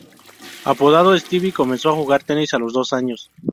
Apodado "Stevie", comenzó a jugar tenis a los dos años.